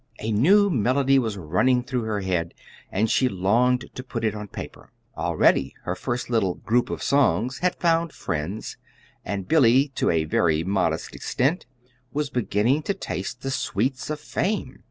A new melody was running through her head, and she longed to put it on paper. Already her first little "Group of Songs" had found friends, and Billy, to a very modest extent, was beginning to taste the sweets of fame.